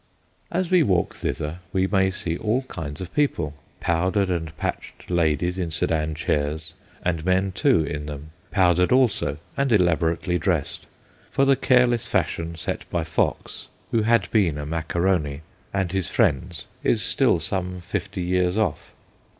As we walk thither we may see all kinds of people : powdered and patched ladies in sedan chairs, and men too in them, powdered also and elaborately dressed, for the careless fashion set by Fox (who had been a Macaroni) and his friends is still some fifty years off.